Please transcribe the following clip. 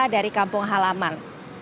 dari kampung halaman